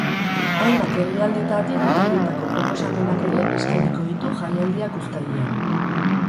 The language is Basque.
Hainbat herrialdetatik etorritako proposamenak ere eskainiko ditu jaialdiak uztailean.